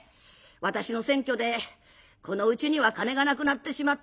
私の選挙でこのうちには金がなくなってしまった。